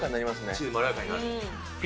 チーズでまろやかになる？